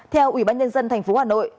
theo ủy ban nhân dân thành phố hà nội